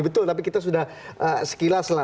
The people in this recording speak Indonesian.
betul tapi kita sudah sekilas lah